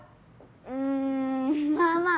うんまあまあ。